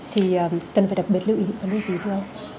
thì cần phải đặc biệt lưu ý lưu ý thưa ông